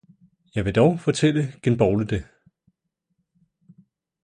Jeg vil dog fortælle genbougle det!